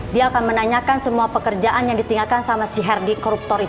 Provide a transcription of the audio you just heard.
dia akan menanyakan semua pekerjaan yang ditinggalkan sama si herdi koruptor itu